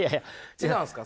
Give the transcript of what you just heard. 違うんですか？